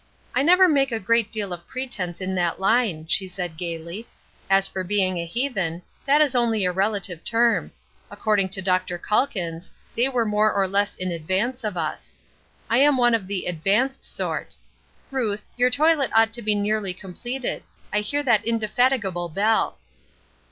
"I never make a great deal of pretense in that line," she said, gayly. "As for being a heathen, that is only a relative term. According to Dr. Calkins, they were more or less in advance of us. I am one of the 'advanced' sort. Ruth, your toilet ought to be nearly completed; I hear that indefatigable bell."